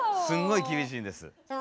すんごい厳しいんです。